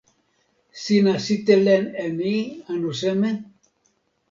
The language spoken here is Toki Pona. sina sitelen e ni anu seme?